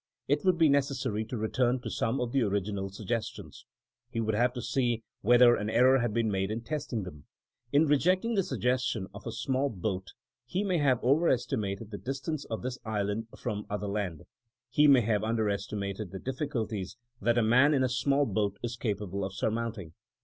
It would be necessary to return to some of the original suggestions. He would have to see whether an error had been made in testing them. In re jecting the suggestion of a small boat he may have overestimated the distance of this island from other land. He may have underestimated the difficulties that a man in a small boat is capable of surmounting.